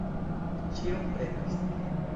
Ĉiom pretas.